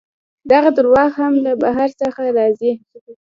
دغه درواغ هم له بهر څخه راځي.